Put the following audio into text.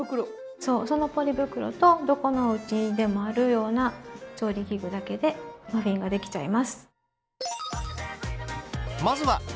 そうそのポリ袋とどこのおうちにでもあるような調理器具だけでマフィンができちゃいます。